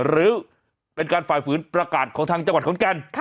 หรือเป็นการฝ่าฝืนประกาศของทางจังหวัดขอนแก่น